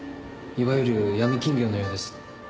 いわゆる闇金業のようです。